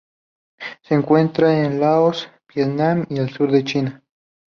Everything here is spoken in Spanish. Se encuentra en Laos Vietnam y el sur de la China.